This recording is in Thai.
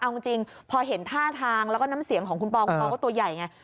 เอาจริงพอเห็นท่าทางแล้วก็น้ำเสียงของคุณปอคุณปอก็ตัวใหญ่ไง